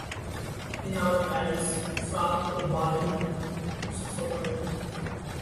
তিনি আবার Paris, Prague ও বার্লিন সফর করেন।